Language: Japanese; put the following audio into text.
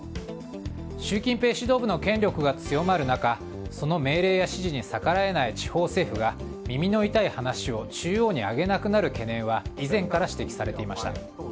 習近平指導部の権力が強まる中その命令や指示に逆らえない地方政府が耳の痛い話を中央に上げなくなる懸念は以前から指摘されていました。